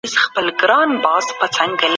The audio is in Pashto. مذهبي زغم په ټولنه کې مهم دی.